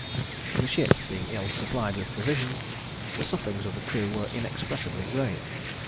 The ship being ill supplied with provisions, the sufferings of the crew were inexpressibly great.